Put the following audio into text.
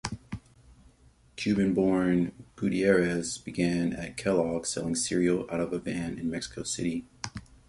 Cuban-born, Gutierrez began at Kellogg selling cereal out of a van in Mexico City.